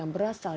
ya terima kasih